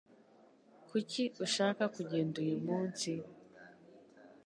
Kuki ushaka kugenda uyu munsi?